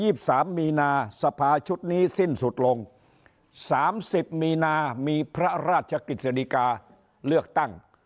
ท่านดูตามนั้นวันที่๒๓มีนาสภาชุดนี้สิ้นสุดลง๓๐มีนามีพระราชกฤษฎิกาเลือกตั้ง